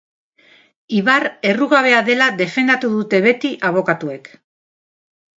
Ibar errugabea dela defendatu dute beti abokatuek.